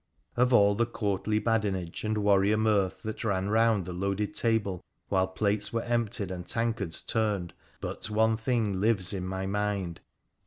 Of all the courtly badinage and warrior mirth that ran round the loaded table while plates were emptied and tankards turned, but one thing lives in my mind.